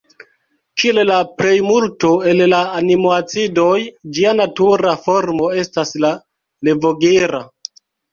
Kiel la plejmulto el la aminoacidoj, ĝia natura formo estas la levogira.